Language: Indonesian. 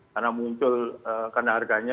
karena muncul karena harganya